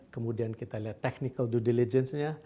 kemudian kita lihat technical due diligence nya